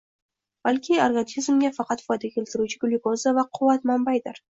balki organizmga faqat foyda keltiruvchi glyukoza va quvvat manbaidir.